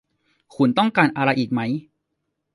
คุณต้องการอะไรอีกไหม